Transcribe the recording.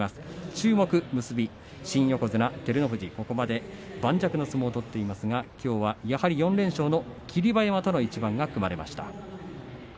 注目の結び、照ノ富士盤石の相撲を取っていますがやはり４連勝の霧馬山との一番が組まれました。